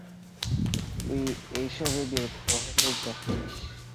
তুই এসবে বিরক্ত হতে যাচ্ছিস।